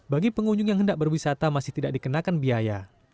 bagi pengunjung yang hendak berwisata masih tidak dikenakan biaya